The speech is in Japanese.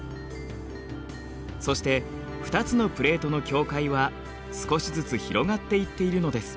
そして２つのプレートの境界は少しずつ広がっていっているのです。